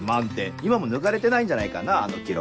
今も抜かれてないんじゃないかなあの記録。